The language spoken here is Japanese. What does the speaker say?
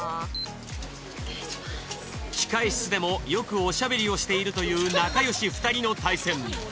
控え室でもよくおしゃべりをしているという仲良し２人の対戦。